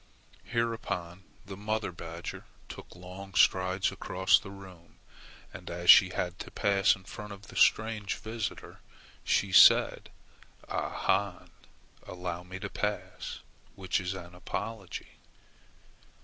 Hereupon the mother badger took long strides across the room, and as she had to pass in front of the strange visitor, she said: "Ah han! Allow me to pass!" which was an apology.